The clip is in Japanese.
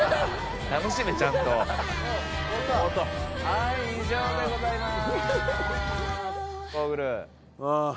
はい以上でございまーす。